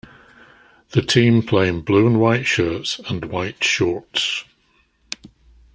The team play in blue and white shirts and white shorts.